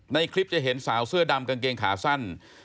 ในคลิปจะเห็นสาวเสื้อดำกางเกงขาสั้น